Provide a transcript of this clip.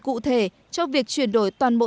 cụ thể cho việc chuyển đổi toàn bộ